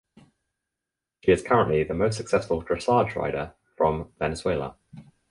She is currently the most successful dressage rider from Venezuela.